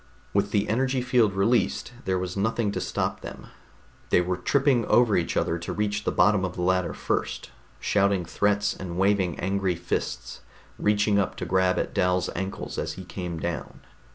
With the energy field released, there was nothing to stop them; they were tripping over each other to reach the bottom of the ladder first, shouting threats and waving angry fists, reaching up to grab at Dal's ankles as he came down....